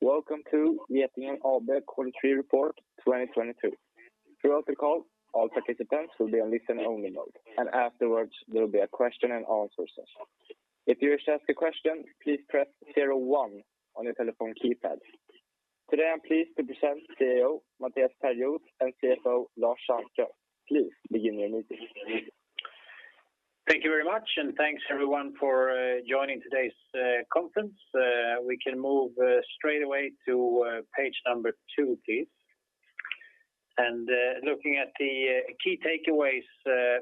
Welcome to Getinge AB Q3 report 2022. Throughout the call, all participants will be on listen only mode, and afterwards, there will be a question and answer session. If you wish to ask a question, please press zero one on your telephone keypad. Today, I'm pleased to present CEO Mattias Perjos and CFO Lars Sandström. Please begin your meeting. Thank you very much, and thanks everyone for joining today's conference. We can move straight away to page number 2, please. Looking at the key takeaways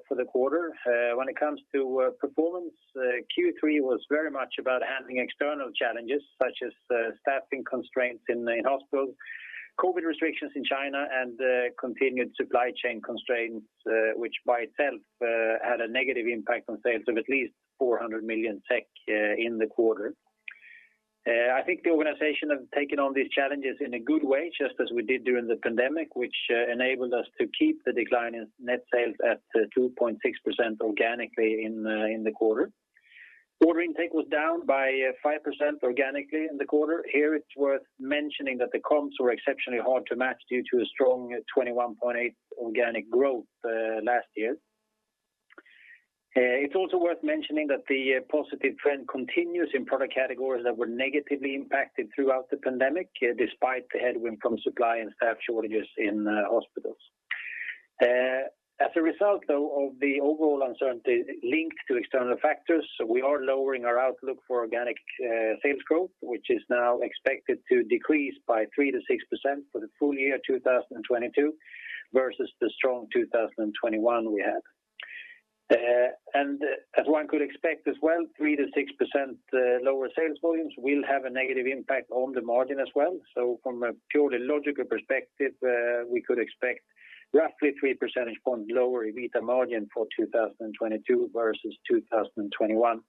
for the quarter, when it comes to performance, Q3 was very much about handling external challenges such as staffing constraints in the hospitals, COVID restrictions in China, and continued supply chain constraints, which by itself had a negative impact on sales of at least 400 million in the quarter. I think the organization have taken on these challenges in a good way, just as we did during the pandemic, which enabled us to keep the decline in net sales at 2.6% organically in the quarter. Order intake was down by 5% organically in the quarter. It's worth mentioning that the comps were exceptionally hard to match due to a strong 21.8% organic growth last year. It's also worth mentioning that the positive trend continues in product categories that were negatively impacted throughout the pandemic despite the headwind from supply and staff shortages in hospitals. As a result though of the overall uncertainty linked to external factors, we are lowering our outlook for organic sales growth, which is now expected to decrease by 3%-6% for the full year 2022 versus the strong 2021 we had. As one could expect as well, 3%-6% lower sales volumes will have a negative impact on the margin as well. From a purely logical perspective, we could expect roughly 3% point lower EBITDA margin for 2022 versus 2021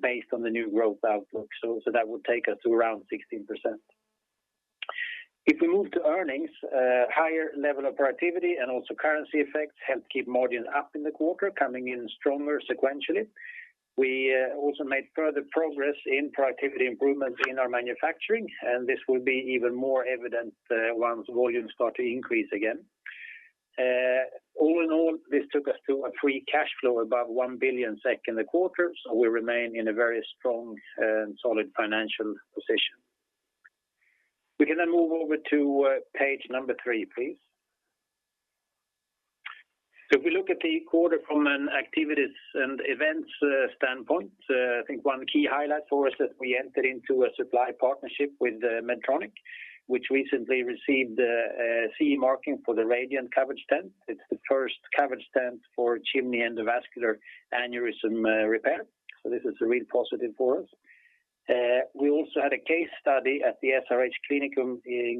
based on the new growth outlook. That would take us to around 16%. If we move to earnings, a higher level of productivity and also currency effects helped keep margin up in the quarter, coming in stronger sequentially. We also made further progress in productivity improvements in our manufacturing, and this will be even more evident once volumes start to increase again. All in all, this took us to a free cash flow above 1 billion SEK in the quarter, so we remain in a very strong and solid financial position. We can move over to page number 3, please. If we look at the quarter from an activities and events standpoint, I think one key highlight for us is we entered into a supply partnership with Medtronic, which recently received a CE marking for the Radiant covered stent. It's the first covered stent for chimney endovascular aneurysm repair. This is a real positive for us. We also had a case study at the SRH Klinikum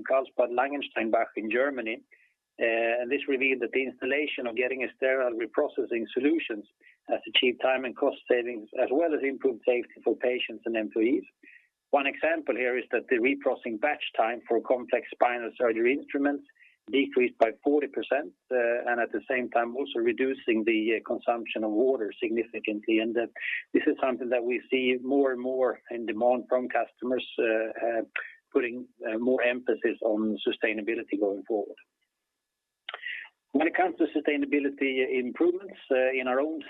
Karlsbad-Langensteinbach in Germany. This revealed that the installation of Getinge sterile reprocessing solutions has achieved time and cost savings, as well as improved safety for patients and employees. One example here is that the reprocessing batch time for complex spinal surgery instruments decreased by 40%, and at the same time, also reducing the consumption of water significantly. This is something that we see more and more demand from customers putting more emphasis on sustainability going forward. When it comes to sustainability improvements within our own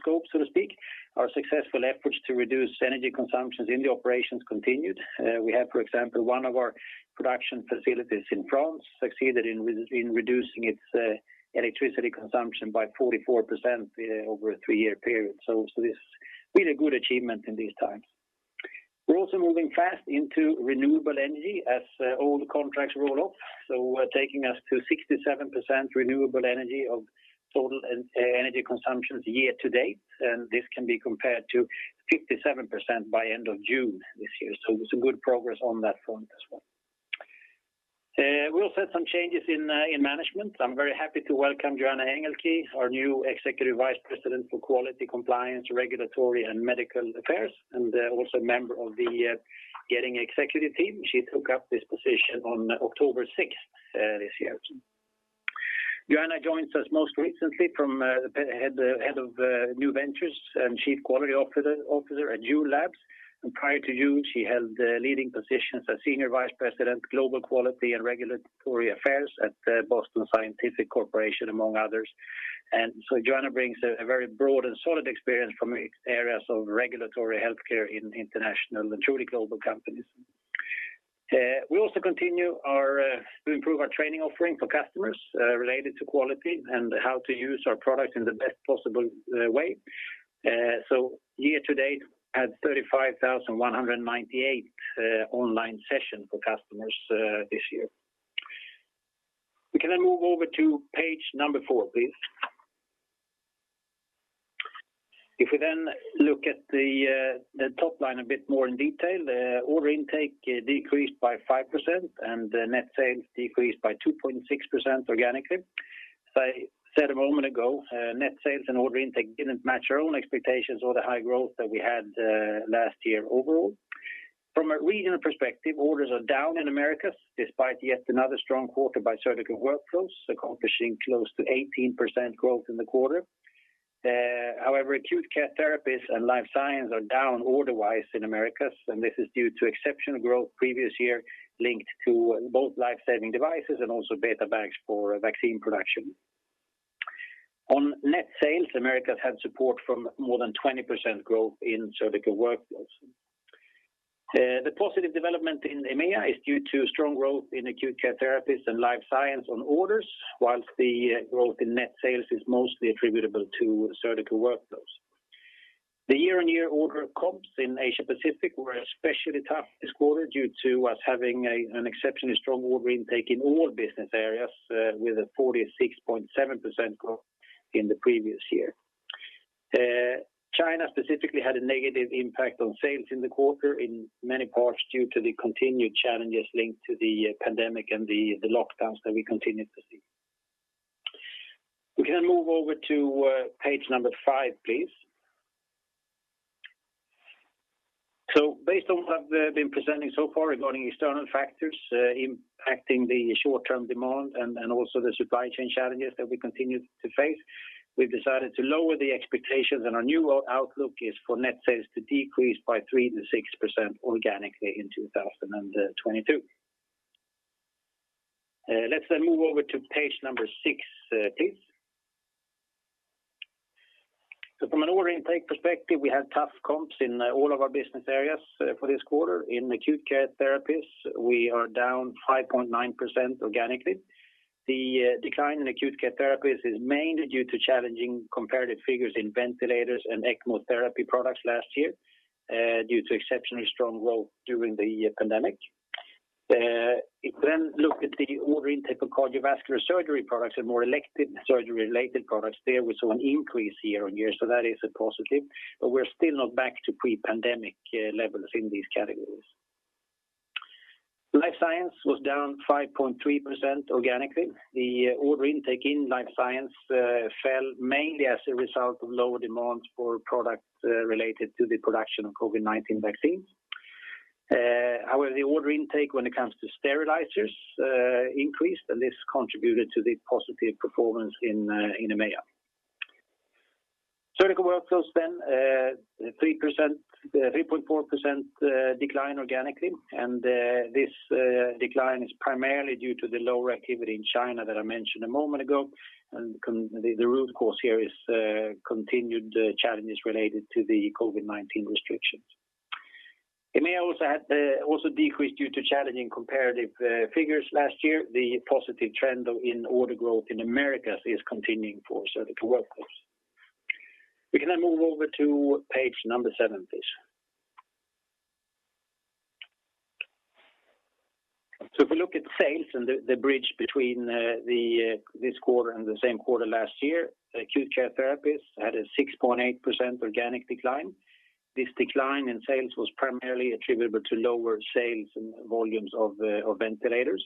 scope, so to speak, our successful efforts to reduce energy consumption in the operations continued. We have, for example, one of our production facilities in France succeeded in reducing its electricity consumption by 44% over a three-year period. This is really a good achievement in these times. We're also moving fast into renewable energy as old contracts roll off. Taking us to 67% renewable energy of total energy consumption year to date, and this can be compared to 57% by end of June this year. Some good progress on that front as well. We also had some changes in management. I'm very happy to welcome Joanna Engelke, our new Executive Vice President for Quality, Compliance, Regulatory, and Medical Affairs, and also a member of the Getinge executive team. She took up this position on October sixth this year. Joanna joins us most recently from the Head of New Ventures and Chief Quality Officer at Juul Labs. Prior to Juul, she held leading positions as Senior Vice President, Global Quality and Regulatory Affairs at Boston Scientific Corporation, among others. Joanna brings a very broad and solid experience from areas of regulatory healthcare in international and truly global companies. We also continue to improve our training offering for customers related to quality and how to use our products in the best possible way. Year to date, had 35,198 online sessions for customers this year. We can then move over to page 4, please. If we then look at the top line a bit more in detail, order intake decreased by 5% and the net sales decreased by 2.6% organically. As I said a moment ago, net sales and order intake didn't match our own expectations or the high growth that we had last year overall. From a regional perspective, orders are down in Americas despite yet another strong quarter by Surgical Workflows, accomplishing close to 18% growth in the quarter. However, Acute Care Therapies and Life Science are down order-wise in Americas, and this is due to exceptional growth previous year linked to both life-saving devices and also bioreactor bags for vaccine production. On net sales, Americas had support from more than 20% growth in Surgical Workflows. The positive development in EMEA is due to strong growth in Acute Care Therapies and Life Science on orders, while the growth in net sales is mostly attributable to Surgical Workflows. The year-on-year order comps in Asia Pacific were especially tough this quarter due to us having an exceptionally strong order intake in all business areas, with a 46.7% growth in the previous year. China specifically had a negative impact on sales in the quarter in many parts due to the continued challenges linked to the pandemic and the lockdowns that we continue to see. We can move over to page number 5, please. Based on what I've been presenting so far regarding external factors impacting the short-term demand and also the supply chain challenges that we continue to face, we've decided to lower the expectations, and our new outlook is for net sales to decrease by 3%-6% organically in 2022. Let's then move over to page number 6, please. From an order intake perspective, we have tough comps in all of our business areas for this quarter. In Acute Care Therapies, we are down 5.9% organically. Decline in Acute Care Therapies is mainly due to challenging comparative figures in ventilators and ECMO therapy products last year due to exceptionally strong growth during the pandemic. If we then look at the order intake of cardiovascular surgery products and more elective surgery-related products, there we saw an increase year-over-year, so that is a positive. We're still not back to pre-pandemic levels in these categories. Life Science was down 5.3% organically. The order intake in Life Science fell mainly as a result of lower demand for products related to the production of COVID-19 vaccines. However, the order intake when it comes to sterilizers increased, and this contributed to the positive performance in EMEA. Surgical Workflows 3.4% decline organically. This decline is primarily due to the lower activity in China that I mentioned a moment ago. The root cause here is continued challenges related to the COVID-19 restrictions. EMEA also had also decreased due to challenging comparative figures last year. The positive trend in order growth in Americas is continuing for Surgical Workflows. We can now move over to page 7, please. If we look at sales and the bridge between this quarter and the same quarter last year, Acute Care Therapies had a 6.8% organic decline. This decline in sales was primarily attributable to lower sales and volumes of ventilators.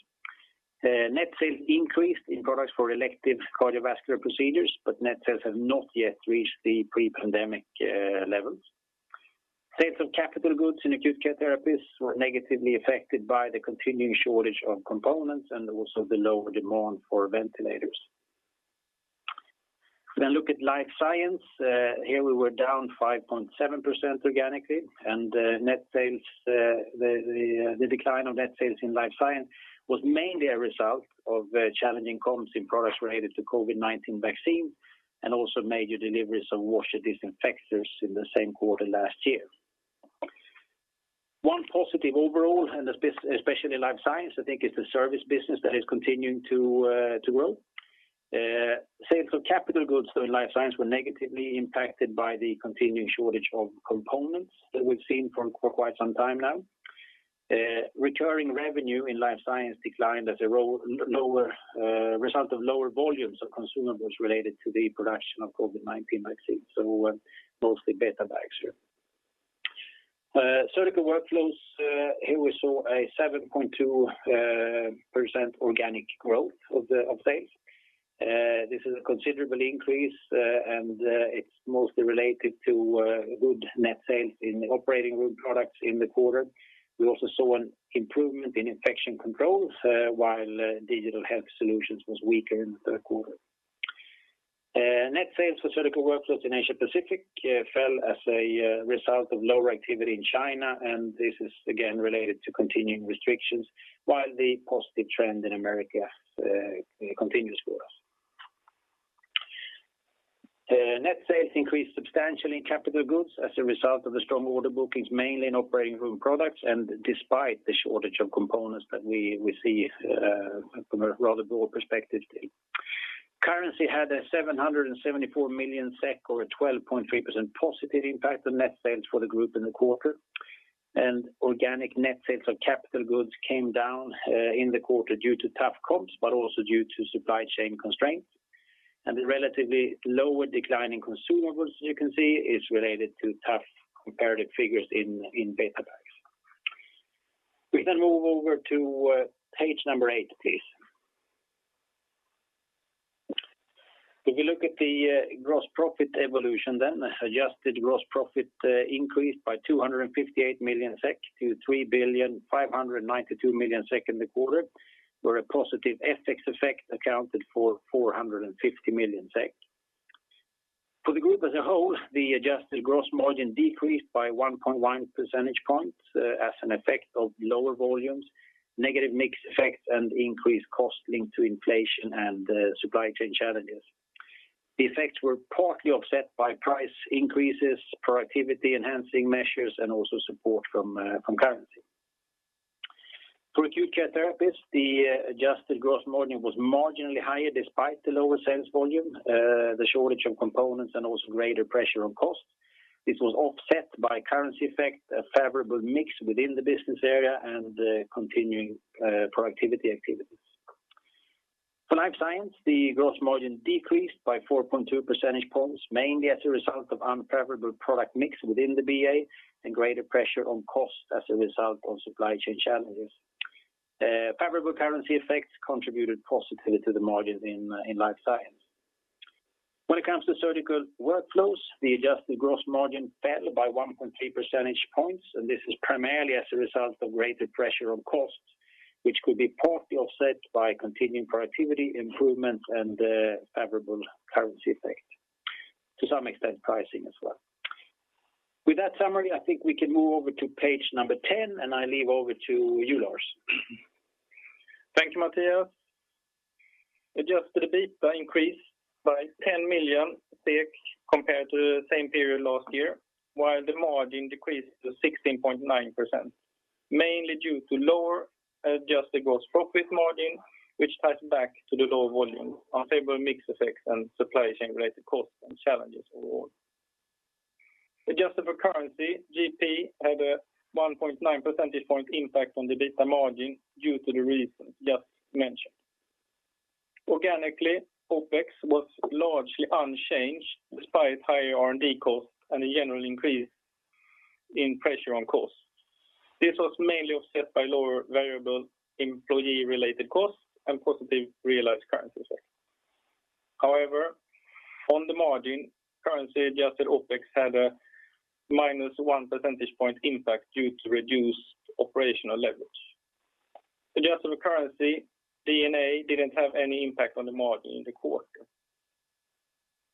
Net sales increased in products for elective cardiovascular procedures, but net sales have not yet reached the pre-pandemic levels. Sales of capital goods in Acute Care Therapies were negatively affected by the continuing shortage of components and also the lower demand for ventilators. If we look at Life Science, here we were down 5.7% organically, and net sales, the decline of net sales in Life Science was mainly a result of challenging comps in products related to COVID-19 vaccines and also major deliveries of washer-disinfectors in the same quarter last year. One positive overall, and especially Life Science, I think, is the service business that is continuing to grow. Sales of capital goods in Life Science were negatively impacted by the continuing shortage of components that we've seen for quite some time now. Recurring revenue in Life Science declined as a lower result of lower volumes of consumables related to the production of COVID-19 vaccines, so mostly bioreactor bags here. Surgical Workflows, here we saw a 7.2% organic growth of sales. This is a considerable increase, and it's mostly related to good net sales in Operating Room products in the quarter. We also saw an improvement in Infection Control, while Digital Health Solutions was weaker in the third quarter. Net sales for Surgical Workflows in Asia Pacific fell as a result of lower activity in China, and this is again related to continuing restrictions while the positive trend in America continues for us. Net sales increased substantially in capital goods as a result of the strong order bookings, mainly in Operating Room products and despite the shortage of components that we see from a rather broad perspective still. Currency had a 774 million SEK or a 12.3% positive impact on net sales for the group in the quarter. Organic net sales of capital goods came down in the quarter due to tough comps, but also due to supply chain constraints. The relatively lower decline in consumables you can see is related to tough comparative figures in bioreactor bags. We can move over to page 8, please. If you look at the gross profit evolution, adjusted gross profit increased by 258 million SEK to 3,592 million SEK in the quarter, where a positive FX effect accounted for 450 million SEK. For the group as a whole, the adjusted gross margin decreased by 1.1% points as an effect of lower volumes, negative mix effects and increased cost linked to inflation and supply chain challenges. The effects were partly offset by price increases, productivity enhancing measures, and also support from currency. For Acute Care Therapies, the adjusted gross margin was marginally higher despite the lower sales volume, the shortage of components and also greater pressure on costs. This was offset by currency effect, a favorable mix within the business area and the continuing productivity activities. For Life Science, the gross margin decreased by 4.2% points, mainly as a result of unfavorable product mix within the BA and greater pressure on costs as a result of supply chain challenges. Favorable currency effects contributed positively to the margins in Life Science. When it comes to Surgical Workflows, the adjusted gross margin fell by 1.3% Points, and this is primarily as a result of greater pressure on costs, which could be partly offset by continuing productivity improvements and the favorable currency effect. To some extent, pricing as well. With that summary, I think we can move over to page 10, and I hand over to you, Lars. Thank you, Mattias. Adjusted EBITDA increased by 10 million compared to the same period last year, while the margin decreased to 16.9%, mainly due to lower adjusted gross profit margin, which ties back to the lower volume, unfavorable mix effects, and supply chain related costs and challenges overall. Adjusted for currency, GP had a 1.9% point impact on the EBITDA margin due to the reasons just mentioned. Organically, OpEx was largely unchanged despite higher R&D costs and a general increase in pressure on costs. This was mainly offset by lower variable employee related costs and positive realized currency effect. However, on the margin, currency adjusted OpEx had a -1% point impact due to reduced operational leverage. Adjusted for currency, D&A didn't have any impact on the margin in the quarter.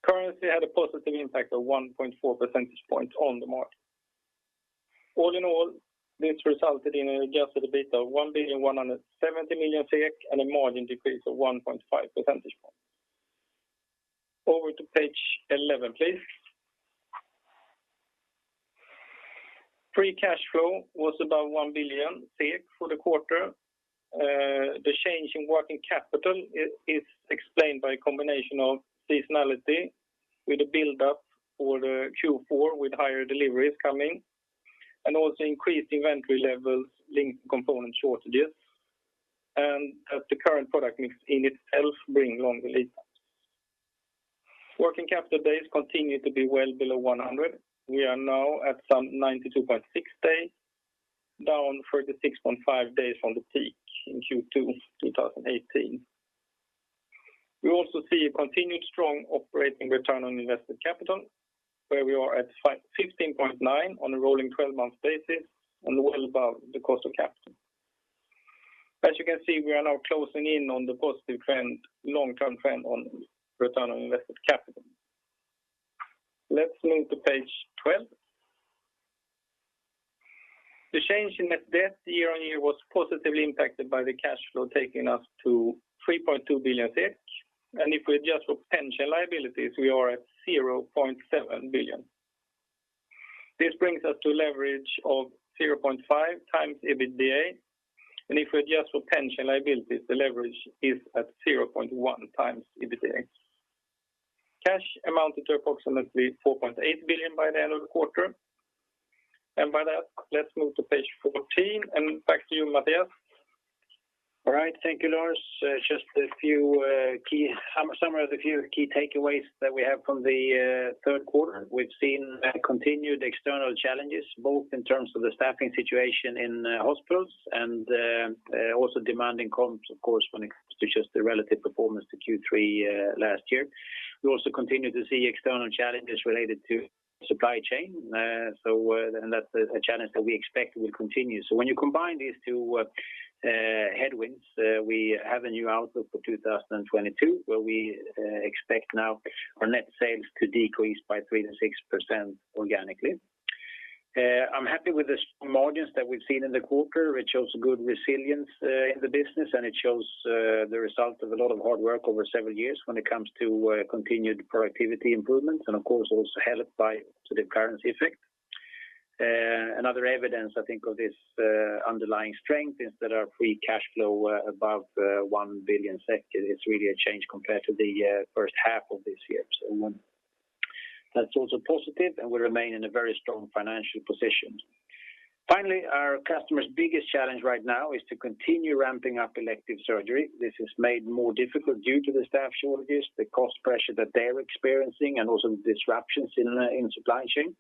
Currency had a positive impact of 1.4% points on the margin. All in all, this resulted in an adjusted EBITDA of 1.17 billion and a margin decrease of 1.5% points. Over to page eleven, please. Free cash flow was about 1 billion for the quarter. The change in working capital is explained by a combination of seasonality with a build-up for the Q4 with higher deliveries coming, and also increased inventory levels linked to component shortages, and as the current product mix in itself brings long lead times. Working capital days continue to be well below 100. We are now at some 92.6 days, down 36.5 days from the peak in Q2 2018. We also see a continued strong operating return on invested capital, where we are at 15.9 on a rolling 12-month basis and well above the cost of capital. As you can see, we are now closing in on the positive trend, long-term trend on return on invested capital. Let's move to page 12. The change in net debt year-on-year was positively impacted by the cash flow taking us to 3.2 billion SEK. If we adjust for pension liabilities, we are at 0.7 billion. This brings us to leverage of 0.5x EBITDA. If we adjust for pension liabilities, the leverage is at 0.1x EBITDA. Cash amounted to approximately 4.8 billion by the end of the quarter. By that, let's move to page 14. Back to you, Mattias. All right. Thank you, Lars. Just a summary of the few key takeaways that we have from the third quarter. We've seen continued external challenges, both in terms of the staffing situation in hospitals and also demanding comps, of course, when it comes to just the relative performance to Q3 last year. We also continue to see external challenges related to supply chain. That's a challenge that we expect will continue. When you combine these two headwinds, we have a new outlook for 2022, where we expect now our net sales to decrease by 3%-6% organically. I'm happy with the strong margins that we've seen in the quarter. It shows good resilience in the business, and it shows the result of a lot of hard work over several years when it comes to continued productivity improvements and of course, also helped by sort of currency effect. Another evidence I think of this underlying strength is that our free cash flow above 1 billion SEK is really a change compared to the first half of this year. That's also positive and we remain in a very strong financial position. Finally, our customers' biggest challenge right now is to continue ramping up elective surgery. This is made more difficult due to the staff shortages, the cost pressure that they're experiencing and also the disruptions in supply chain.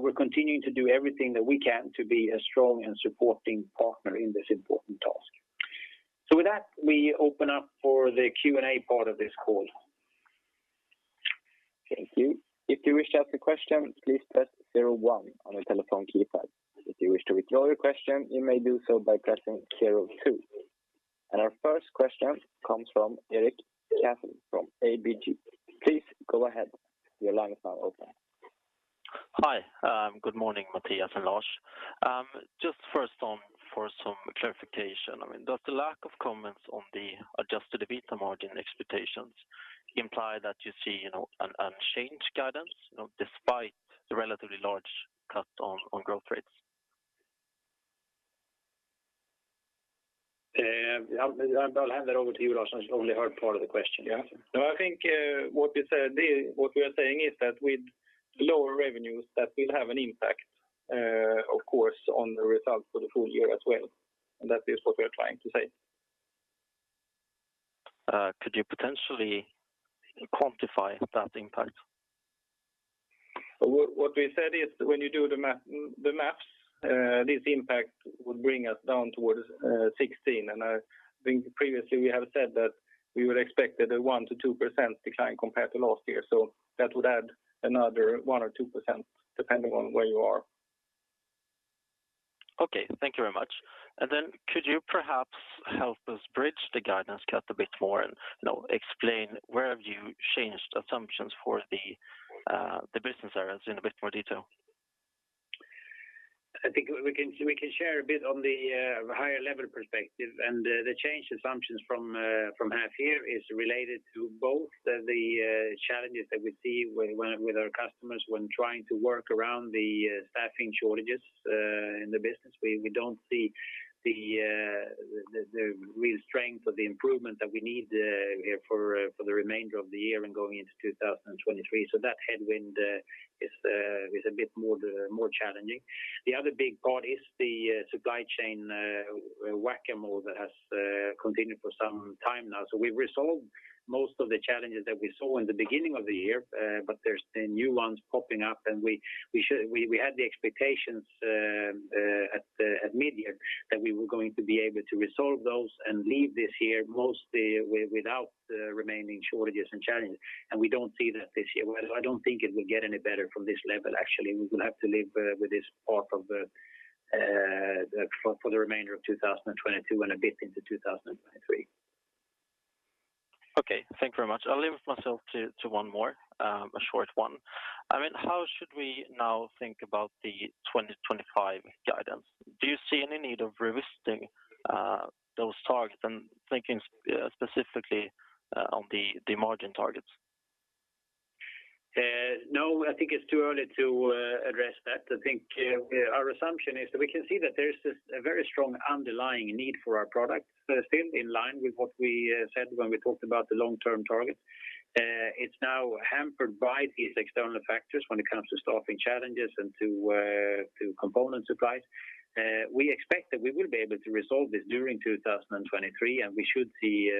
We're continuing to do everything that we can to be a strong and supporting partner in this important task. With that, we open up for the Q&A part of this call. Thank you. If you wish to ask a question, please press zero one on your telephone keypad. If you wish to withdraw your question, you may do so by pressing zero two. Our first question comes from Erik Cassel from ABG. Please go ahead. Your line is now open. Hi, good morning, Mattias and Lars. Just first off for some clarification. I mean, does the lack of comments on the adjusted EBITDA margin expectations imply that you see, you know, an unchanged guidance, you know, despite the relatively large cut in growth rates? I'll hand that over to you, Lars. I only heard part of the question. Yeah. No, I think what we are saying is that with lower revenues, that will have an impact, of course, on the results for the full year as well. That is what we are trying to say. Could you potentially quantify that impact? What we said is when you do the math, this impact would bring us down towards 16%. I think previously we have said that we would expect a 1%-2% decline compared to last year. That would add another 1%-2% depending on where you are. Okay. Thank you very much. Could you perhaps help us bridge the guidance cut a bit more and, you know, explain where have you changed assumptions for the business areas in a bit more detail? I think we can share a bit on the higher level perspective. The change assumptions from half year is related to both the challenges that we see with our customers when trying to work around the staffing shortages in the business. We don't see the real strength or the improvement that we need for the remainder of the year and going into 2023. That headwind is a bit more challenging. The other big part is the supply chain whack-a-mole that has continued for some time now. We've resolved most of the challenges that we saw in the beginning of the year, but there's new ones popping up. We had the expectations at mid-year that we were going to be able to resolve those and leave this year mostly without the remaining shortages and challenges. We don't see that this year. Well, I don't think it will get any better from this level, actually. We will have to live with this for the remainder of 2022 and a bit into 2023. Okay. Thank you very much. I'll leave myself to one more, a short one. I mean, how should we now think about the 2025 guidance? Do you see any need of revisiting those targets and thinking specifically on the margin targets? No, I think it's too early to address that. I think our assumption is that we can see that there's a very strong underlying need for our product still in line with what we said when we talked about the long-term target. It's now hampered by these external factors when it comes to staffing challenges and to component supplies. We expect that we will be able to resolve this during 2023, and we should see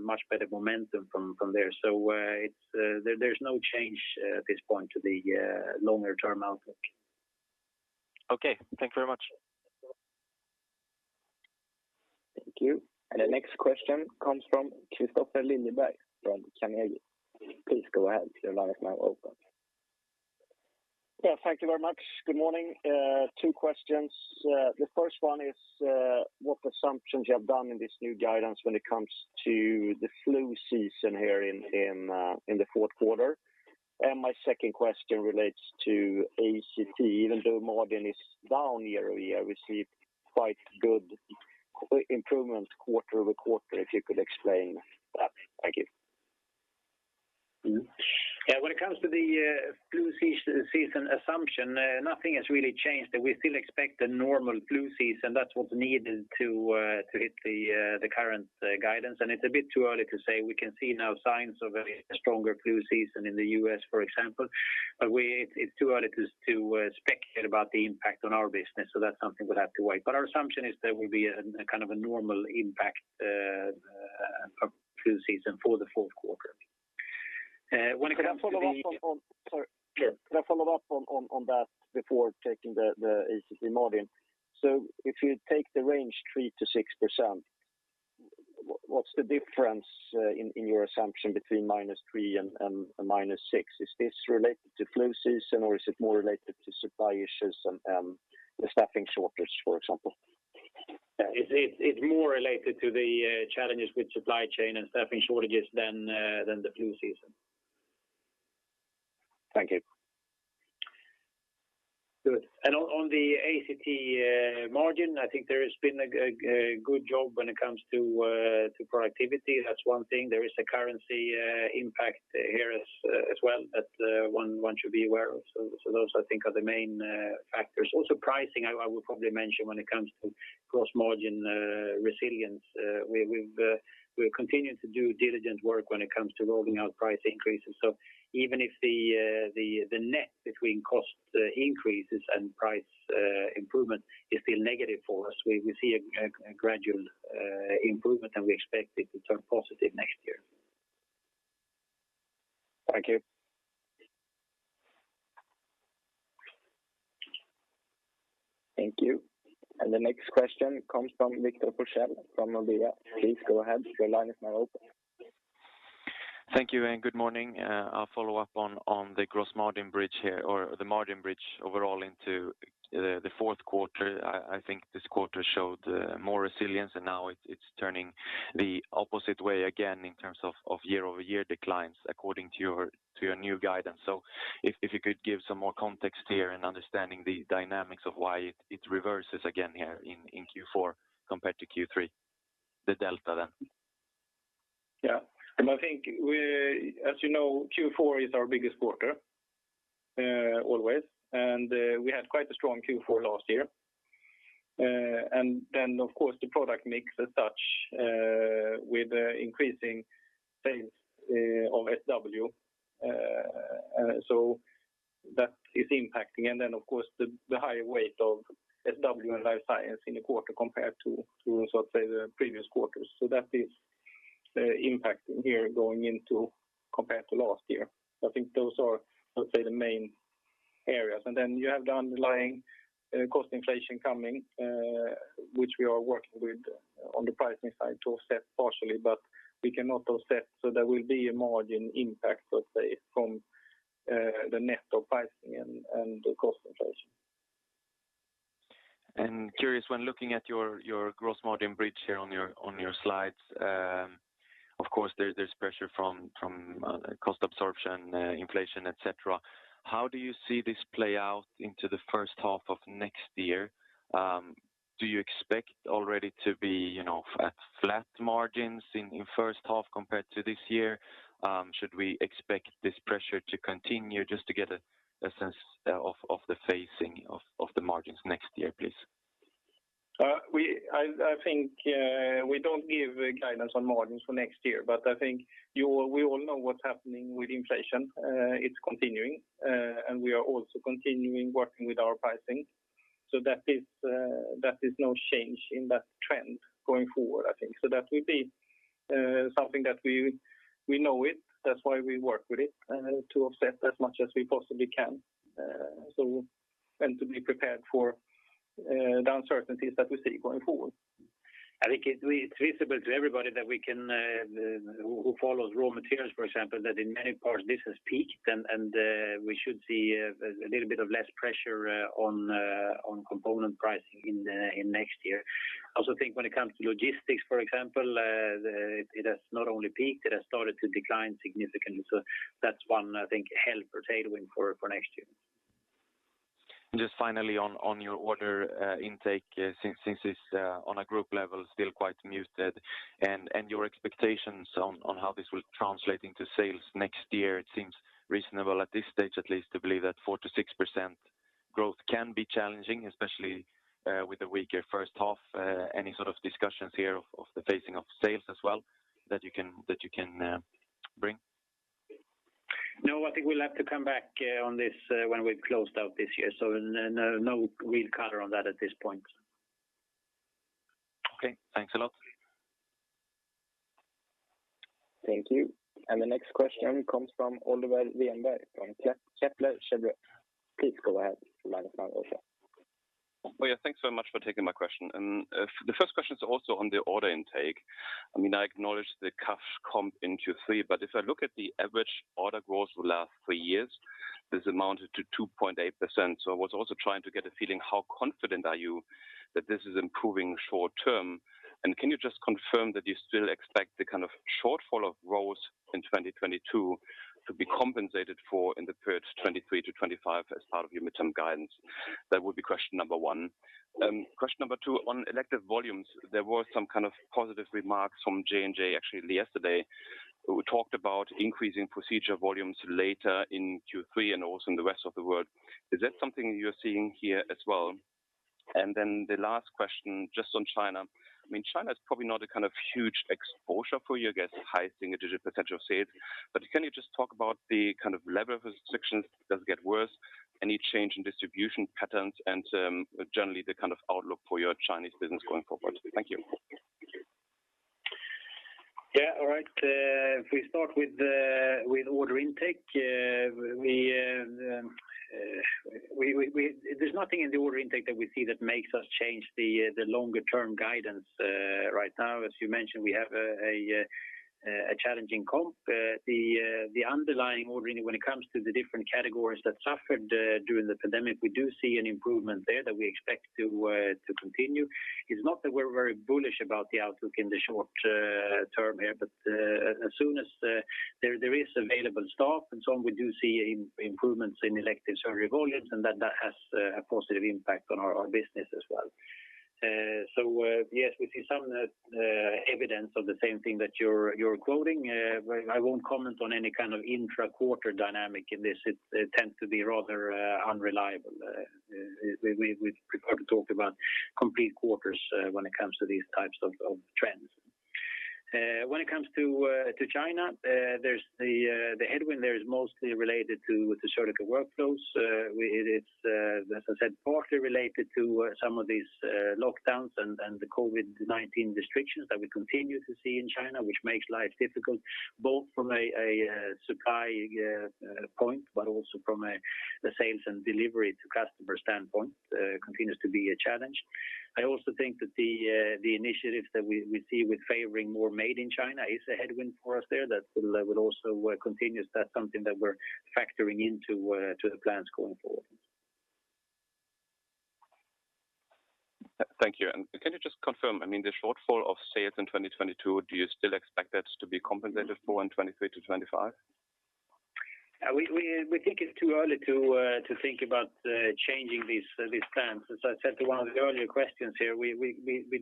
much better momentum from there. There's no change at this point to the longer term outlook. Okay. Thank you very much. Thank you. The next question comes from Kristofer Liljeberg from Carnegie. Please go ahead. Your line is now open. Yeah, thank you very much. Good morning. Two questions. The first one is, what assumptions you have done in this new guidance when it comes to the flu season here in the fourth quarter? My second question relates to ACT. Even though margin is down year-over-year, we see quite good improvement quarter-over-quarter. If you could explain that. Thank you. Yeah. When it comes to the flu season assumption, nothing has really changed. We still expect a normal flu season. That's what's needed to hit the current guidance. It's a bit too early to say. We can see now signs of a stronger flu season in the US, for example. It's too early to speculate about the impact on our business, so that's something we'll have to wait. Our assumption is there will be a kind of normal impact flu season for the fourth quarter. When it comes to the- Sorry. Yeah. Can I follow up on that before taking the ACT margin? If you take the range 3%-6%, what's the difference in your assumption between -3% and -6%? Is this related to flu season or is it more related to supply issues and the staffing shortage, for example? It's more related to the challenges with supply chain and staffing shortages than the flu season. Thank you. Good. On the ACT margin, I think there has been a good job when it comes to productivity. That's one thing. There is a currency impact here as well that one should be aware of. Those I think are the main factors. Also pricing, I would probably mention when it comes to gross margin resilience. We've continued to do diligent work when it comes to rolling out price increases. Even if the net between cost increases and price improvement is still negative for us, we see a gradual improvement and we expect it to turn positive next year. Thank you. Thank you. The next question comes from Victor Forssell from Nordea. Please go ahead. Your line is now open. Thank you and good morning. I'll follow up on the gross margin bridge here or the margin bridge overall into the fourth quarter. I think this quarter showed more resilience, and now it's turning the opposite way again in terms of year-over-year declines according to your new guidance. If you could give some more context here in understanding the dynamics of why it reverses again here in Q4 compared to Q3, the delta then. Yeah. I think as you know, Q4 is our biggest quarter, always. We had quite a strong Q4 last year. Then, of course, the product mix as such, with increasing sales of SW. That is impacting. Then, of course, the higher weight of SW and Life Science in the quarter compared to, let's say, the previous quarters. That is impacting here going into compared to last year. I think those are, let's say, the main areas. Then you have the underlying cost inflation coming, which we are working with on the pricing side to offset partially, but we cannot offset. There will be a margin impact, let's say, from the net of pricing and the cost inflation. Curious, when looking at your gross margin bridge here on your slides, of course, there's pressure from cost absorption, inflation, et cetera. How do you see this play out into the first half of next year? Do you expect already to be, you know, flat margins in first half compared to this year? Should we expect this pressure to continue just to get a sense of the phasing of the margins next year, please? We don't give guidance on margins for next year, but I think we all know what's happening with inflation. It's continuing. We are also continuing working with our pricing. That is no change in that trend going forward, I think. That will be something that we know it, that's why we work with it to offset as much as we possibly can. To be prepared for the uncertainties that we see going forward. I think it's visible to everybody, who follows raw materials, for example, that in many parts this has peaked. We should see a little bit of less pressure on component pricing in next year. I also think when it comes to logistics, for example, it has not only peaked, it has started to decline significantly. That's one, I think, helpful tailwind for next year. Just finally on your order intake, since it's on a group level, still quite muted, and your expectations on how this will translate into sales next year, it seems reasonable at this stage at least to believe that 4%-6% growth can be challenging, especially with a weaker first half. Any sort of discussions here of the phasing of sales as well that you can bring? No, I think we'll have to come back on this when we've closed out this year. No, no real color on that at this point. Okay. Thanks a lot. Thank you. The next question comes from Oliver Reinberg from Kepler Cheuvreux. Please go ahead. Line is now open. Thanks very much for taking my question. The first question is also on the order intake. I mean, I acknowledge the cash comp in Q3, but if I look at the average order growth for the last three years, this amounted to 2.8%. I was also trying to get a feeling, how confident are you that this is improving short term? Can you just confirm that you still expect the kind of shortfall of growth in 2022 to be compensated for in the period 2023-2025 as part of your midterm guidance? That would be question number one. Question number two, on elective volumes, there were some kind of positive remarks from J&J actually yesterday. We talked about increasing procedure volumes later in Q3 and also in the rest of the world. Is that something you're seeing here as well? The last question, just on China. I mean, China is probably not a kind of huge exposure for you against high single-digit potential sales. Can you just talk about the kind of level of restrictions? Does it get worse? Any change in distribution patterns? Generally the kind of outlook for your Chinese business going forward. Thank you. Yeah. All right. If we start with order intake, there's nothing in the order intake that we see that makes us change the longer term guidance right now. As you mentioned, we have a challenging comp. The underlying order, when it comes to the different categories that suffered during the pandemic, we do see an improvement there that we expect to continue. It's not that we're very bullish about the outlook in the short term here, but as soon as there is available staff and so on, we do see improvements in elective surgery volumes, and that has a positive impact on our business as well. Yes, we see some evidence of the same thing that you're quoting. I won't comment on any kind of intra-quarter dynamic in this. It tends to be rather unreliable. We prefer to talk about complete quarters when it comes to these types of trends. When it comes to China, there's the headwind there is mostly related to the Surgical Workflows. It is, as I said, partly related to some of these lockdowns and the COVID-19 restrictions that we continue to see in China, which makes life difficult, both from a supply point, but also from a sales and delivery to customer standpoint, continues to be a challenge. I also think that the initiatives that we see with favoring more made in China is a headwind for us there that will also continue. That's something that we're factoring into the plans going forward. Thank you. Can you just confirm, I mean, the shortfall of sales in 2022, do you still expect that to be compensated for in 2023 to 2025? We think it's too early to think about changing these plans. As I said to one of the earlier questions here, we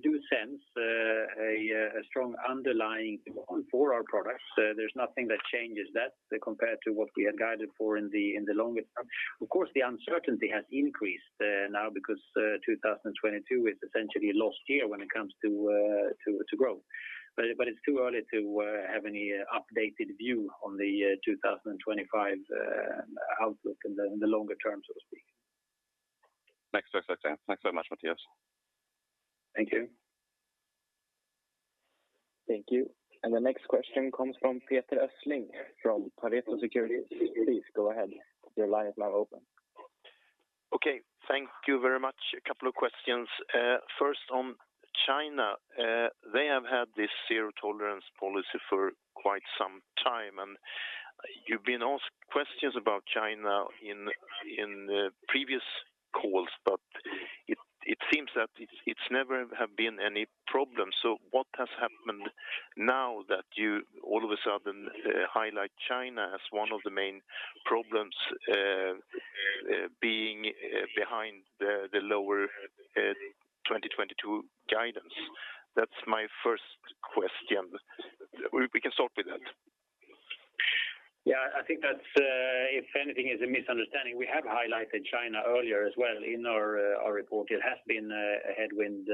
do sense a strong underlying demand for our products. There's nothing that changes that compared to what we had guided for in the longer term. Of course, the uncertainty has increased now because 2022 is essentially a lost year when it comes to growth. It's too early to have any updated view on the 2025 outlook in the longer term, so to speak. Thanks for explaining. Thanks very much, Mattias. Thank you. Thank you. The next question comes from Peter Östling from Pareto Securities. Please go ahead. Your line is now open. Okay, thank you very much. A couple of questions. First on China. They have had this zero tolerance policy for quite some time, and you've been asked questions about China in previous calls, but it seems that it's never have been any problem. So what has happened now that you all of a sudden highlight China as one of the main problems being behind the lower 2022 guidance? That's my first question. We can start with that. Yeah, I think that's, if anything, is a misunderstanding. We have highlighted China earlier as well in our report. It has been a headwind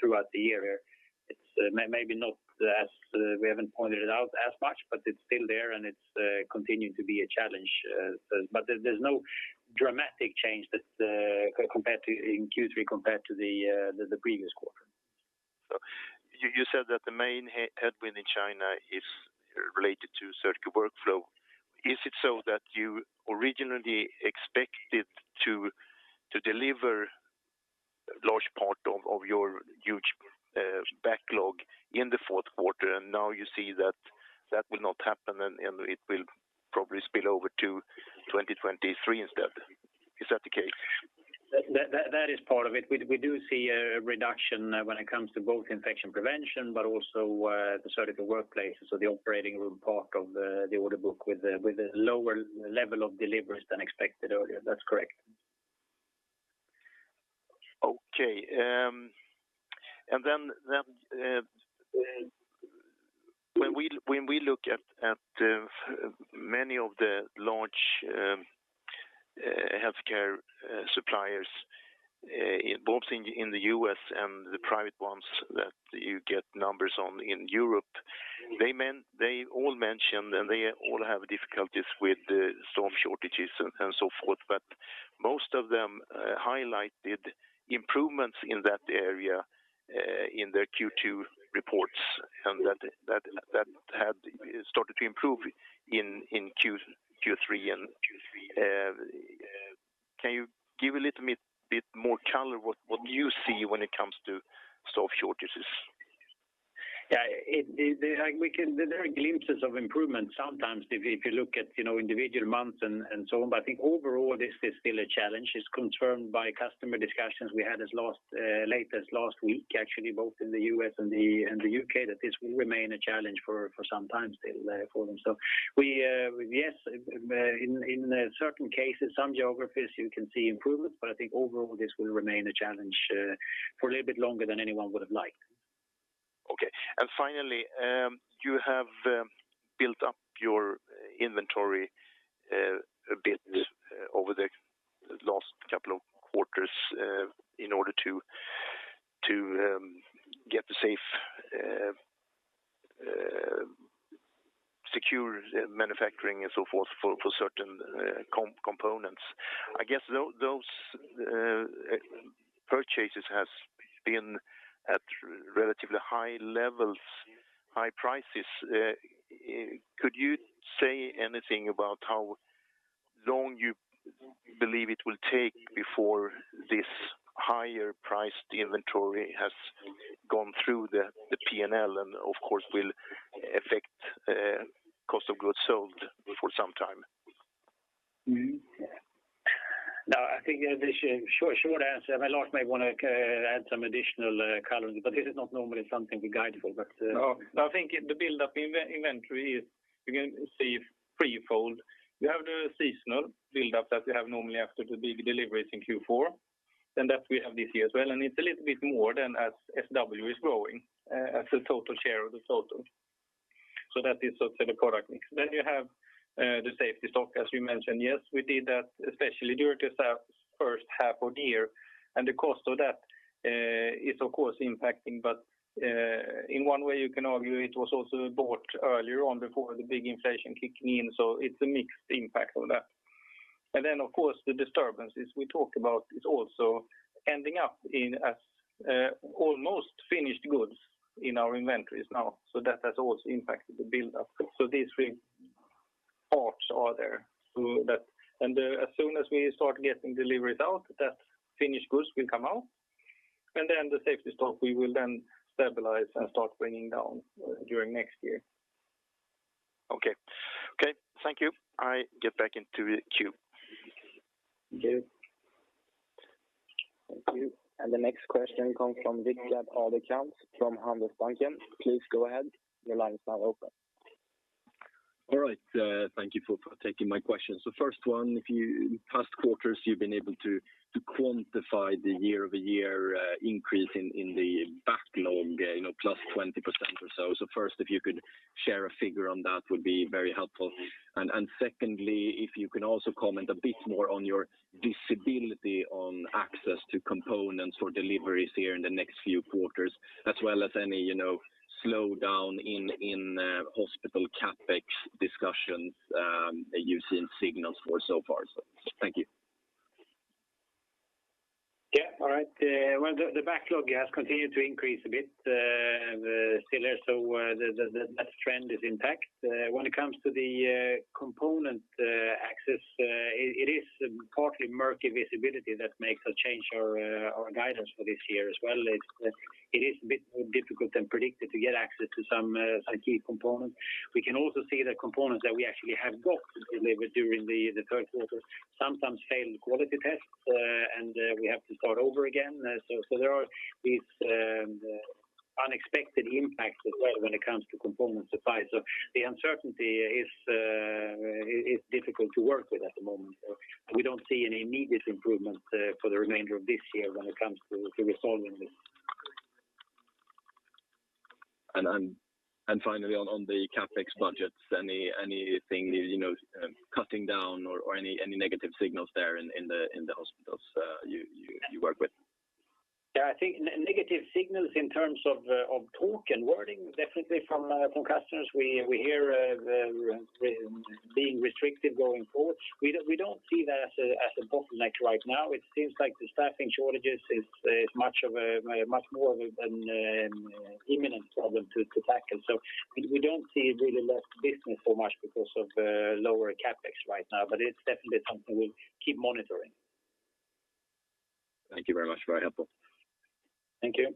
throughout the year. It's maybe not as we haven't pointed it out as much, but it's still there, and it's continuing to be a challenge. There's no dramatic change in Q3 compared to the previous quarter. You said that the main headwind in China is related to surgical workflow. Is it so that you originally expected to deliver large part of your huge backlog in the fourth quarter, and now you see that that will not happen and it will probably spill over to 2023 instead? Is that the case? That is part of it. We do see a reduction when it comes to both infection prevention, but also the Surgical Workflows, so the operating room part of the order book with a lower level of deliveries than expected earlier. That's correct. Okay. Then when we look at many of the large healthcare suppliers both in the US and the private ones that you get numbers on in Europe, they all mentioned, and they all have difficulties with the staff shortages and so forth. Most of them highlighted improvements in that area in their Q2 reports, and that had started to improve in Q2-Q3. Can you give a little bit more color what you see when it comes to staff shortages? There are glimpses of improvement sometimes if you look at, you know, individual months and so on. I think overall, this is still a challenge. It's confirmed by customer discussions we had as late as last week, actually, both in the US and the UK., that this will remain a challenge for some time still for them. In certain cases, some geographies you can see improvements, but I think overall this will remain a challenge for a little bit longer than anyone would have liked. Okay. Finally, you have built up your inventory a bit over the last couple of quarters in order to get the safe secure manufacturing and so forth for certain components. I guess those purchases has been at relatively high levels, high prices. Could you say anything about how long you believe it will take before this higher priced inventory has gone through the P&L and of course will affect cost of goods sold for some time? No, I think the short answer, and Lars may wanna add some additional color, but this is not normally something we guide for. No, I think the buildup in inventory is, you can see, threefold. You have the seasonal buildup that you have normally after the big deliveries in Q4, and that we have this year as well, and it's a little bit more than as SW is growing, as a total share of the total. That is also the product mix. You have the safety stock, as you mentioned. Yes, we did that especially during this first half of the year, and the cost of that is of course impacting. In one way you can argue it was also bought earlier on before the big inflation kicking in, so it's a mixed impact of that. Of course the disturbances we talked about is also ending up as almost finished goods in our inventories now. That has also impacted the buildup. These three Parts are there. As soon as we start getting deliveries out, that finished goods will come out. The safety stock, we will then stabilize and start bringing down during next year. Okay. Okay, thank you. I get back into the queue. Okay. Thank you. The next question comes from Viktor Ardelean from Handelsbanken. Please go ahead. Your line is now open. All right. Thank you for taking my question. First one, past quarters you've been able to quantify the year-over-year increase in the backlog, you know, +20% or so. First, if you could share a figure on that would be very helpful. Secondly, if you can also comment a bit more on your visibility on access to components for deliveries here in the next few quarters, as well as any, you know, slowdown in hospital CapEx discussions that you're seeing signals for so far. Thank you. Yeah. All right. Well, the backlog has continued to increase a bit, still there. That trend is intact. When it comes to component access, it is partly murky visibility that makes us change our guidance for this year as well. It is a bit more difficult than predicted to get access to some key components. We can also see the components that we actually have got delivered during the third quarter sometimes fail the quality tests, and we have to start over again. So there are these unexpected impacts as well when it comes to component supply. The uncertainty is difficult to work with at the moment. We don't see any immediate improvement for the remainder of this year when it comes to resolving this. Finally on the CapEx budgets, anything you know cutting down or any negative signals there in the hospitals you work with? Yeah, I think negative signals in terms of talk and wording definitely from customers. We hear them being restrictive going forward. We don't see that as a bottleneck right now. It seems like the staff shortages is much more of an imminent problem to tackle. We don't see really less business so much because of lower CapEx right now, but it's definitely something we'll keep monitoring. Thank you very much. Very helpful. Thank you.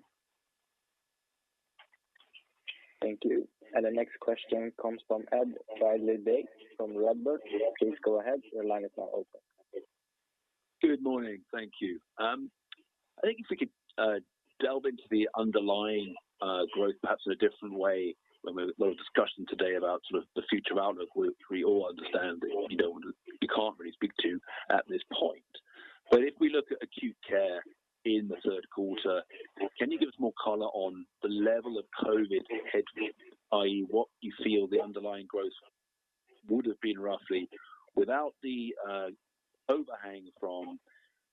Thank you. The next question comes from Ed Ridley-Day from Redburn. Please go ahead. Your line is now open. Good morning. Thank you. I think if we could delve into the underlying growth perhaps in a different way than we've discussed today about sort of the future outlook, which we all understand you can't really speak to at this point. If we look at acute care in the third quarter, can you give us more color on the level of COVID headwinds, i.e., what you feel the underlying growth would have been roughly without the overhang from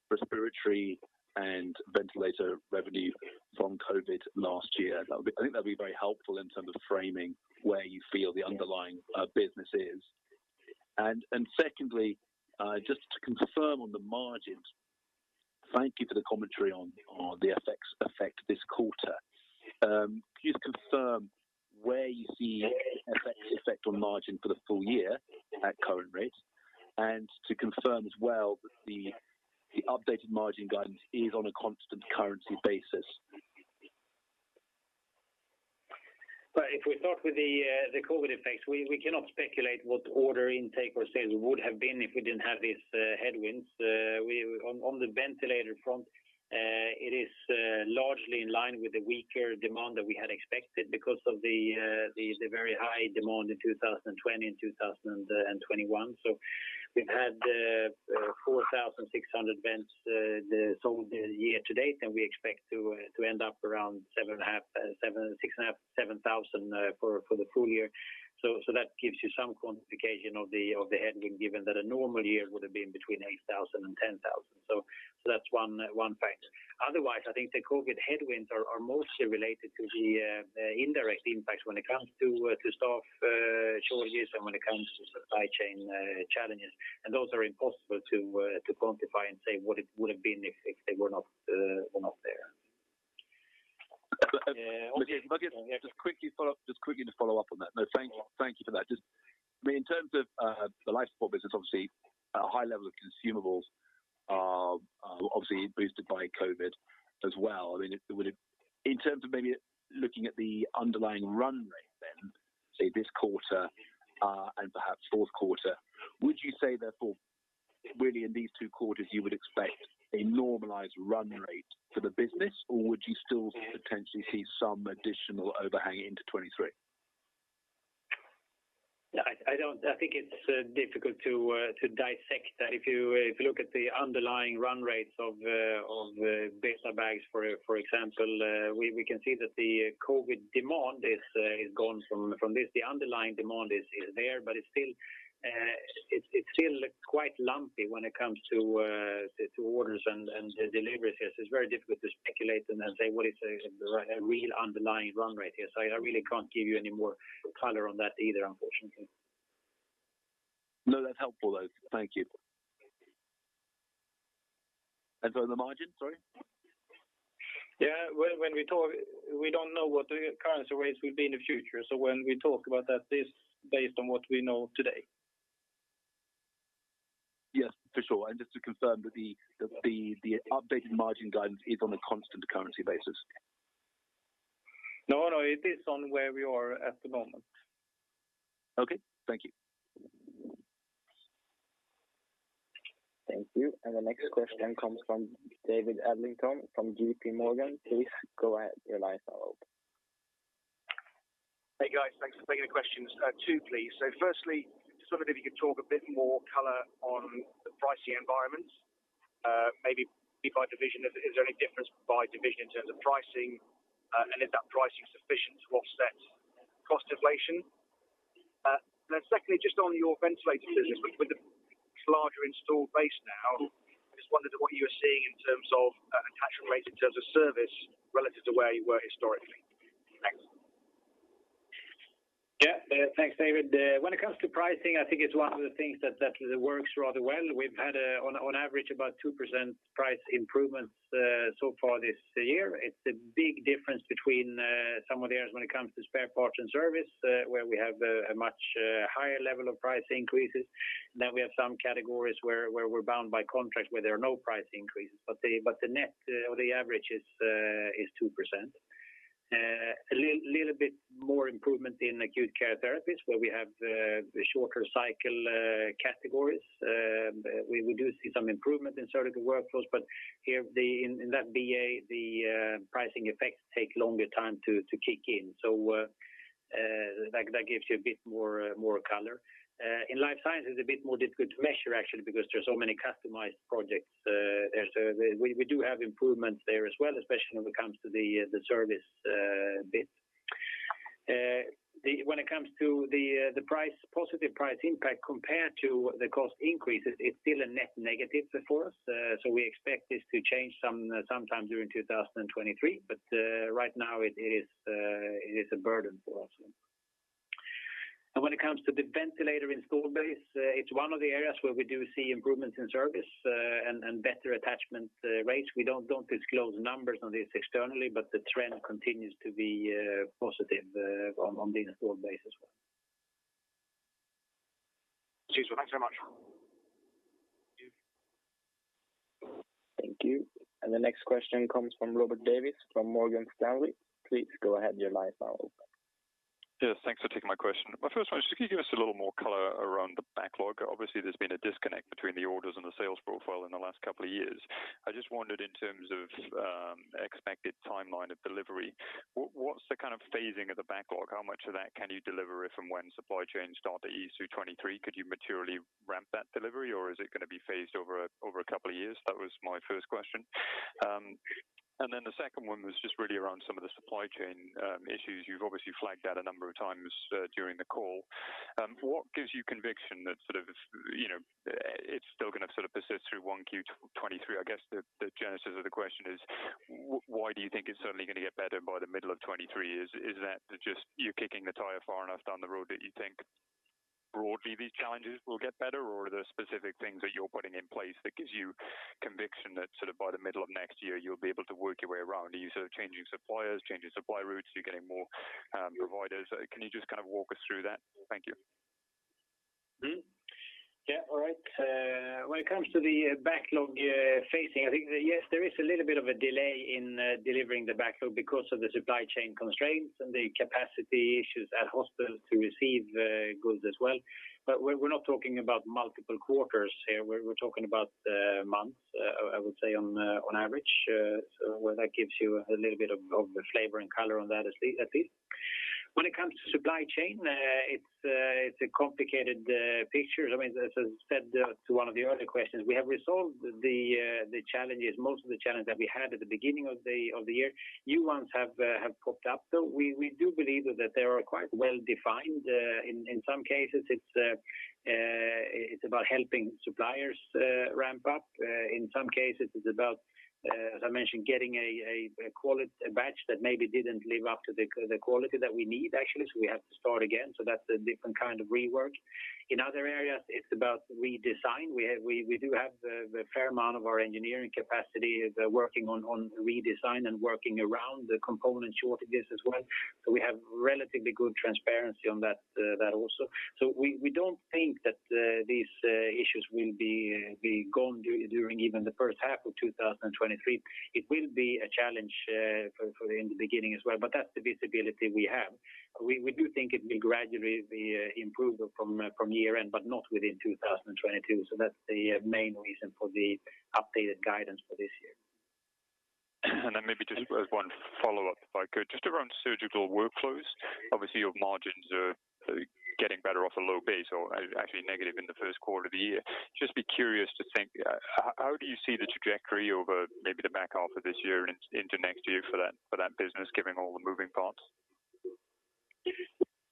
respiratory and ventilator revenue from COVID last year? That would, I think, be very helpful in terms of framing where you feel the underlying business is. Secondly, just to confirm on the margins, thank you for the commentary on the FX effect this quarter. Could you confirm where you see FX effect on margin for the full year at current rates? To confirm as well that the updated margin guidance is on a constant currency basis. Well, if we start with the COVID effects, we cannot speculate what order intake or sales would have been if we didn't have these headwinds. On the ventilator front, it is largely in line with the weaker demand that we had expected because of the very high demand in 2020 and 2021. We've had 4,600 vents sold year to date, and we expect to end up around 7.5, 7, 6.5, 7,000 for the full year. That gives you some quantification of the headwind, given that a normal year would have been between 8,000 and 10,000. That's one factor. Otherwise, I think the COVID headwinds are mostly related to the indirect impacts when it comes to staff shortages and when it comes to supply chain challenges. Those are impossible to quantify and say what it would have been if they were not there. Okay. Just quickly follow up on that. Thank you for that. Just, I mean, in terms of the life support business, obviously a high level of consumables are obviously boosted by COVID as well. In terms of maybe looking at the underlying run rate then, say this quarter and perhaps fourth quarter, would you say therefore really in these two quarters you would expect a normalized run rate for the business, or would you still potentially see some additional overhang into 2023? Yeah. I don't think it's difficult to dissect. If you look at the underlying run rates of bioreactor bags, for example, we can see that the COVID demand is gone from this. The underlying demand is there, but it's still quite lumpy when it comes to orders and deliveries. It's very difficult to speculate and then say what is a real underlying run rate here. So I really can't give you any more color on that either, unfortunately. No, that's helpful though. Thank you. The margin, sorry? Yeah. When we talk, we don't know what the currency rates will be in the future. When we talk about that, this based on what we know today. Yes, for sure. Just to confirm that the updated margin guidance is on a constant currency basis. No, no, it is on where we are at the moment. Okay, thank you. Thank you. The next question comes from David Adlington from JPMorgan. Please go ahead. Your line is now open. Hey, guys. Thanks for taking the questions. Two please. Firstly, just wondered if you could talk a bit more color on the pricing environments, maybe by division. Is there any difference by division in terms of pricing, and is that pricing sufficient to offset cost inflation? Secondly, just on your ventilator business, with the larger installed base now, just wondered what you were seeing in terms of attachment rates in terms of service relative to where you were historically. Thanks. Yeah. Thanks, David. When it comes to pricing, I think it's one of the things that works rather well. We've had an average about 2% price improvements so far this year. It's a big difference between some of the areas when it comes to spare parts and service, where we have a much higher level of price increases. We have some categories where we're bound by contracts where there are no price increases. The net or the average is 2%. A little bit more improvement in Acute Care Therapies where we have the shorter cycle categories. We do see some improvement in Surgical Workflows, but here in that BA, the pricing effects take longer time to kick in. That gives you a bit more color. In Life Science it's a bit more difficult to measure actually because there's so many customized projects. We do have improvements there as well, especially when it comes to the service bit. When it comes to the price, positive price impact compared to the cost increases, it's still a net negative for us. We expect this to change sometime during 2023, but right now it is a burden for us. When it comes to the ventilator installed base, it's one of the areas where we do see improvements in service and better attachment rates. We don't disclose numbers on this externally, but the trend continues to be positive on the installed base as well. Cheers. Well, thanks so much. Thank you. The next question comes from Robert Davies from Morgan Stanley. Please go ahead. Your line now open. Yes, thanks for taking my question. My first one, just could you give us a little more color around the backlog? Obviously, there's been a disconnect between the orders and the sales profile in the last couple of years. I just wondered in terms of expected timeline of delivery, what's the kind of phasing of the backlog? How much of that can you deliver if and when supply chains start to ease through 2023? Could you materially ramp that delivery, or is it gonna be phased over a couple of years? That was my first question. And then the second one was just really around some of the supply chain issues. You've obviously flagged that a number of times during the call. What gives you conviction that sort of, you know, it's still gonna sort of persist through 1Q 2023? I guess the genesis of the question is why do you think it's certainly gonna get better by the middle of 2023? Is that just you kicking the tire far enough down the road that you think broadly these challenges will get better? Or are there specific things that you're putting in place that gives you conviction that sort of by the middle of next year you'll be able to work your way around? Are you sort of changing suppliers, changing supply routes, you're getting more providers? Can you just kind of walk us through that? Thank you. When it comes to the backlog phasing, I think yes, there is a little bit of a delay in delivering the backlog because of the supply chain constraints and the capacity issues at hospitals to receive goods as well. We're not talking about multiple quarters here. We're talking about months, I would say on average. That gives you a little bit of flavor and color on that at least. When it comes to supply chain, it's a complicated picture. I mean, as I said to one of the earlier questions, we have resolved the challenges, most of the challenges that we had at the beginning of the year. New ones have popped up. We do believe that they are quite well defined. In some cases it's about helping suppliers ramp up. In some cases it's about, as I mentioned, getting a quality batch that maybe didn't live up to the quality that we need actually, so we have to start again. That's a different kind of rework. In other areas, it's about redesign. We do have a fair amount of our engineering capacity working on redesign and working around the component shortages as well. We have relatively good transparency on that also. We don't think that these issues will be gone during even the first half of 2023. It will be a challenge for in the beginning as well, but that's the visibility we have. We do think it will gradually improve from year end, but not within 2022. That's the main reason for the updated guidance for this year. Maybe just as one follow-up if I could, just around Surgical Workflows. Obviously, your margins are getting better off a low base or actually negative in the first quarter of the year. Just be curious to think, how do you see the trajectory over maybe the back half of this year and into next year for that, for that business given all the moving parts?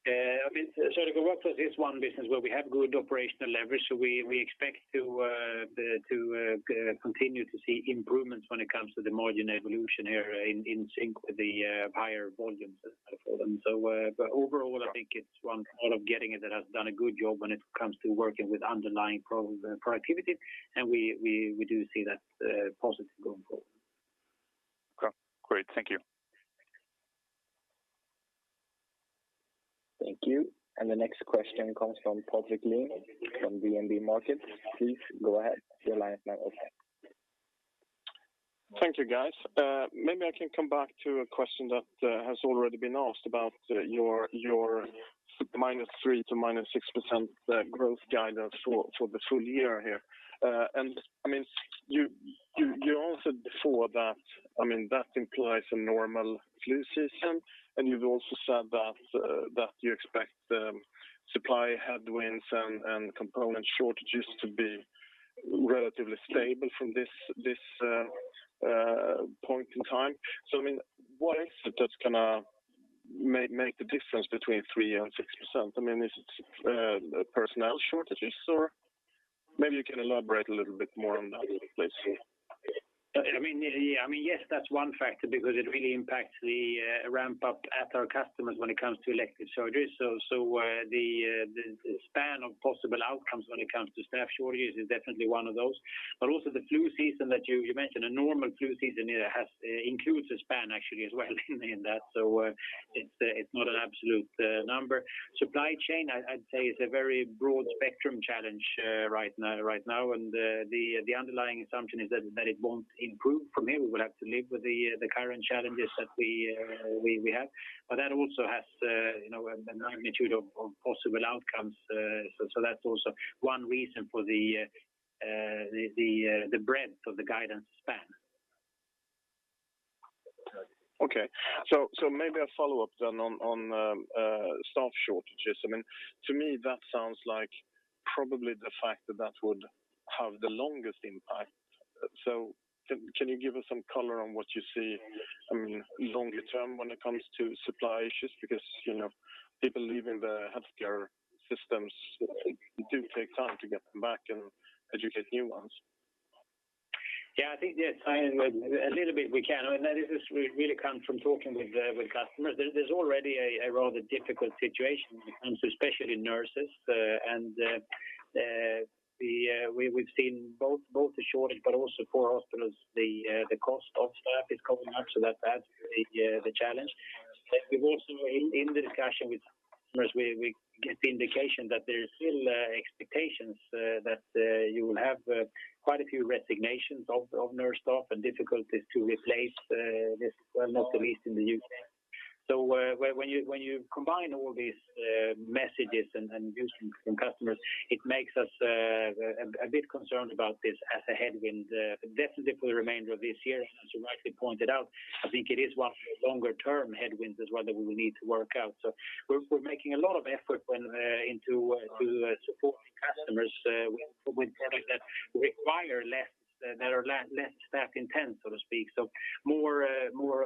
I mean, Surgical Workflows is one business where we have good operational leverage. We expect to continue to see improvement when it comes to the margin evolution area in sync with the higher volumes for them. Overall, I think it's one area of Getinge that has done a good job when it comes to working with underlying productivity, and we do see that positive going forward. Okay, great. Thank you. Thank you. The next question comes from Patrik Ling from DNB Markets. Please go ahead. Your line is now open. Thank you, guys. Maybe I can come back to a question that has already been asked about your -3% to -6% growth guidance for the full year here. I mean, you also before that, I mean, that implies a normal flu season, and you've also said that you expect supply headwinds and component shortages to be relatively stable from this point in time. I mean, what is it that's gonna make the difference between 3% and 6%? I mean, is it personnel shortages? Or maybe you can elaborate a little bit more on that a little please. I mean, yeah. I mean, yes, that's one factor because it really impacts the ramp up at our customers when it comes to elective surgeries. The span of possible outcomes when it comes to staff shortages is definitely one of those. Also the flu season that you mentioned, a normal flu season, it includes a span actually as well in that. It's not an absolute number. Supply chain, I'd say, is a very broad spectrum challenge right now. The underlying assumption is that it won't improve from here. We will have to live with the current challenges that we have. That also has, you know, a magnitude of possible outcomes. That's also one reason for the breadth of the guidance span. Okay. Maybe a follow-up then on staff shortages. I mean, to me that sounds like probably the fact that would have the longest impact. Can you give us some color on what you see, I mean, longer term when it comes to supply issues? Because, you know, people leaving the healthcare systems do take time to get them back and educate new ones. Yeah, I think yes. I mean, that is, this really comes from talking with customers. There's already a rather difficult situation when it comes to especially nurses. We've seen both the shortage but also for hospitals, the cost of staff is going up. That adds to the challenge. We've also in the discussion with customers, we get the indication that there is still expectations that you will have quite a few resignations of nurse staff and difficulties to replace this, not the least in the UK. When you combine all these messages and views from customers, it makes us a bit concerned about this as a headwind definitely for the remainder of this year. As you rightly pointed out, I think it is one of the longer term headwinds as well that we need to work out. We're making a lot of effort into supporting customers with products that require less, that are less staff intense, so to speak. More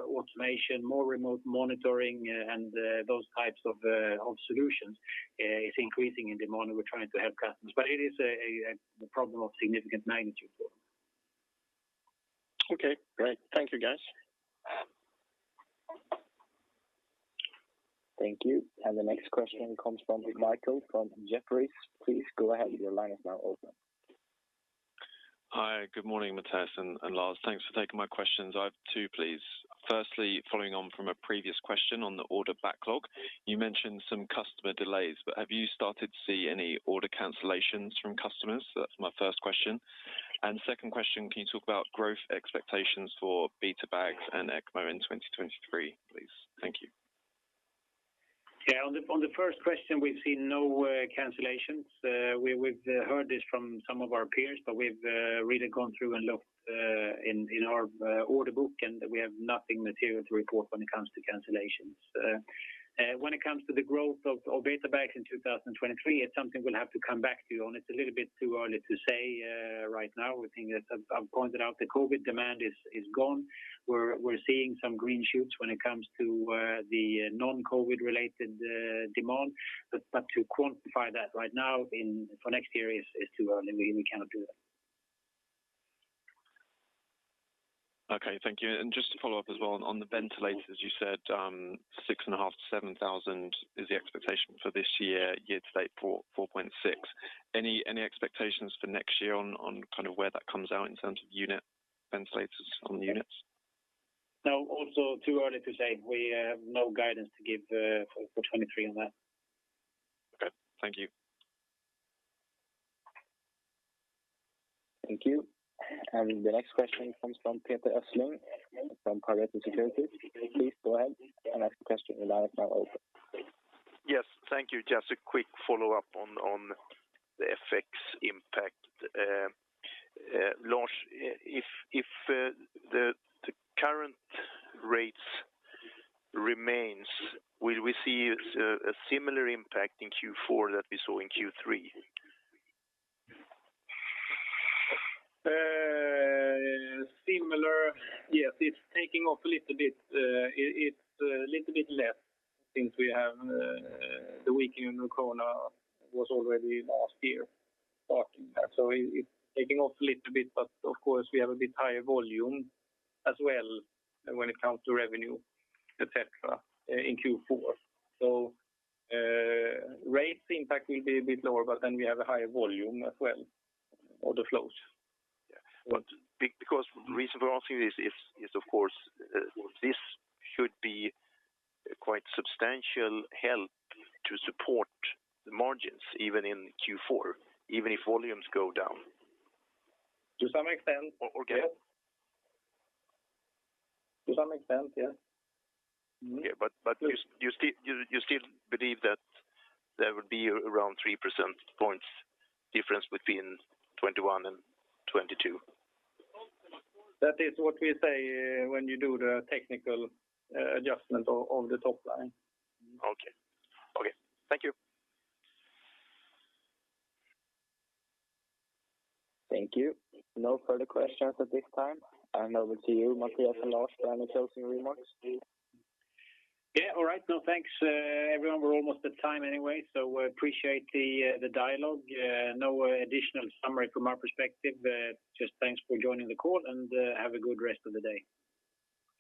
automation, more remote monitoring, and those types of solutions is increasing in demand, and we're trying to help customers. It is a problem of significant magnitude for them. Okay, great. Thank you, guys. Thank you. The next question comes from Michael from Jefferies. Please go ahead. Your line is now open. Hi. Good morning, Mattias and Lars. Thanks for taking my questions. I have two, please. Firstly, following on from a previous question on the order backlog, you mentioned some customer delays, but have you started to see any order cancellations from customers? That's my first question. Second question, can you talk about growth expectations for bioreactor bags and ECMO in 2023, please? Thank you. Yeah. On the first question, we've seen no cancellations. We've heard this from some of our peers, but we've really gone through and looked in our order book, and we have nothing material to report when it comes to cancellations. When it comes to the growth of bioreactor bags in 2023, it's something we'll have to come back to you on. It's a little bit too early to say right now. We think that, as I've pointed out, the COVID demand is gone. We're seeing some green shoots when it comes to the non-COVID related demand. To quantify that right now for next year is too early. We cannot do that. Okay, thank you. Just to follow up as well on the ventilators, you said, 6.5-7,000 is the expectation for this year. Year to date, 4.6. Any expectations for next year on kind of where that comes out in terms of unit ventilators on the units? No, also too early to say. We have no guidance to give, for 2023 on that. Okay, thank you. Thank you. The next question comes from Peter Östling from Pareto Securities. Please go ahead and ask the question. Your line is now open. Yes, thank you. Just a quick follow-up on the FX impact. Lars, if the current rates remains, will we see a similar impact in Q4 that we saw in Q3? Similar. Yes, it's taking off a little bit. It's a little bit less since we have the weakening in krona was already last year starting that. It's taking off a little bit, but of course, we have a bit higher volume as well when it comes to revenue, et cetera, in Q4. Rates impact will be a bit lower, but then we have a higher volume as well, order flows. Because the reason we're asking this is of course, this should be quite substantial help to support the margins even in Q4, even if volumes go down. To some extent. O-okay. To some extent, yeah. Mm-hmm. Yeah. You still believe that there will be around 3% points difference between 2021 and 2022? That is what we say when you do the technical adjustment of the top line. Okay. Thank you. Thank you. No further questions at this time. Over to you, Mattias and Lars, any closing remarks? Yeah. All right. No, thanks, everyone. We're almost at time anyway, so appreciate the dialogue. No additional summary from our perspective. Just thanks for joining the call and have a good rest of the day.